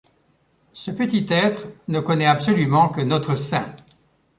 Ce petit être ne connaît absolument que notre sein.